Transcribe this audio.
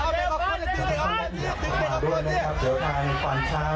ดึงเด็กออกก่อนนะครับเดี๋ยวทางกว่านช้าง